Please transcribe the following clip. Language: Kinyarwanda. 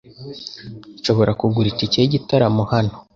Nshobora kugura itike yigitaramo hano?